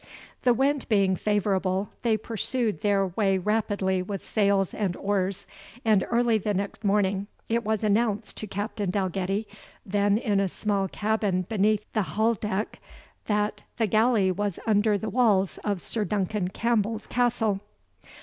The wind being favourable, they pursued their way rapidly with sails and oars; and early the next morning it was announced to Captain Dalgetty, then in a small cabin beneath the hall deck, that the galley was under the walls of Sir Duncan Campbell's castle.